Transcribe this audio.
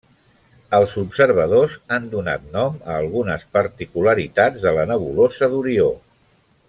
Els observadors han donat nom a algunes particularitats de la nebulosa d'Orió.